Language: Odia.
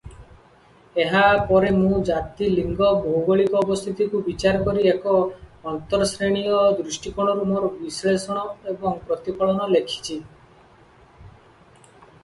ଏହା ପରେ ମୁଁ ଜାତି, ଲିଙ୍ଗ, ଭୌଗୋଳିକ ଅବସ୍ଥିତିକୁ ବିଚାର କରି ଏକ ଆନ୍ତର୍ଶ୍ରେଣୀୟ ଦୃଷ୍ଟିକୋଣରୁ ମୋର ବିଶ୍ଳେଷଣ ଏବଂ ପ୍ରତିଫଳନ ଲେଖିଛି ।